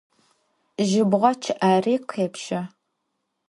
Jıbğe ççı'eri khêpşe.